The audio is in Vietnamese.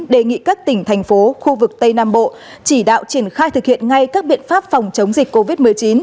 đề nghị các tỉnh thành phố khu vực tây nam bộ chỉ đạo triển khai thực hiện ngay các biện pháp phòng chống dịch covid một mươi chín